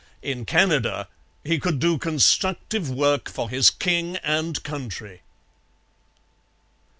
In Canada he could do constructive work for his king and country.